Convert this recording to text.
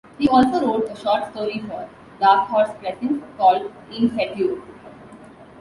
He also wrote a short story for "Dark Horse Presents" called "In Fetu.